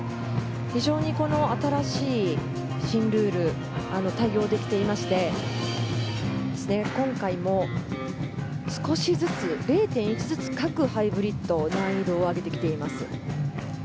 非常に新ルールに対応できていまして今回も、少しずつ０．１ずつ各ハイブリッド難易度を上げてきています。